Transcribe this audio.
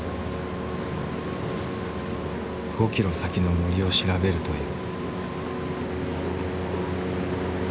５キロ先の森を調べるという。